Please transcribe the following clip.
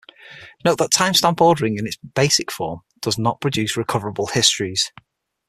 Note that timestamp ordering in its basic form does not produce recoverable histories.